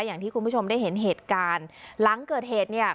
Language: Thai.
อย่างที่คุณผู้ชมได้เห็นเหตุการณ์หลังเกิดเหตุเนี่ย